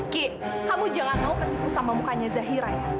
ki kamu jalan mau ketipu sama mukanya zahira ya